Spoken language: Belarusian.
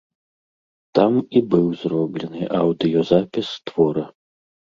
Там і быў зроблены аўдыёзапіс твора.